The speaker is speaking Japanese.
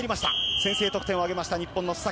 先制得点を挙げました日本の須崎。